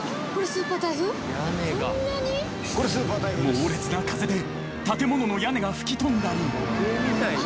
［猛烈な風で建物の屋根が吹き飛んだり］